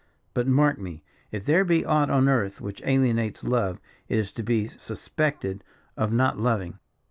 But, mark me: if there be aught on earth which alienates love, it is to be suspected of not loving.